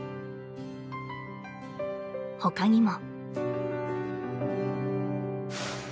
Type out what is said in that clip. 他にも。